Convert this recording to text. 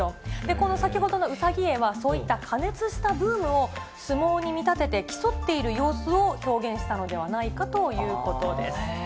この先ほどの兎絵は、そういった過熱したブームを相撲に見立てて競っている様子を表現したのではないかということです。